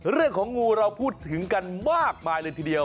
เรื่องของงูเราพูดถึงกันมากมายเลยทีเดียว